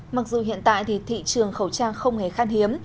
mặc dù hiện tại thì thị trường khẩu trang không hề khán hiếm